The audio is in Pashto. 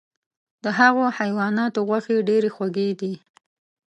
د هغو حیواناتو غوښې ډیرې خوږې دي .